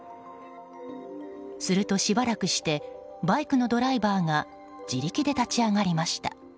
すると、しばらくしてバイクのドライバーが自力で立ち上がりました。